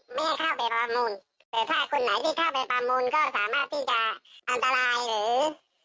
ไม่ให้เข้าไปประมูลแต่ถ้าคนไหนที่เข้าไปประมูลก็สามารถที่จะอันตรายหรือ